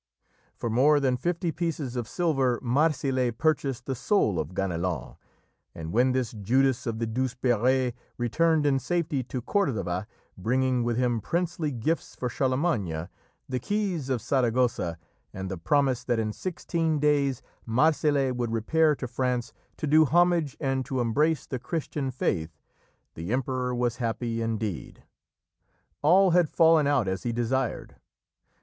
For more than fifty pieces of silver Marsile purchased the soul of Ganelon, and when this Judas of the Douzeperes returned in safety to Cordova, bringing with him princely gifts for Charlemagne, the keys of Saragossa, and the promise that in sixteen days Marsile would repair to France to do homage and to embrace the Christian faith, the Emperor was happy indeed. All had fallen out as he desired.